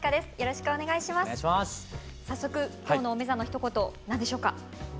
早速今日のおめざのひと言何でしょうか？